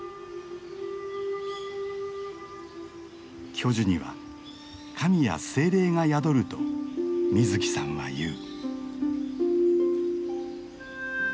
巨樹には神や精霊が宿ると水木さんは言う。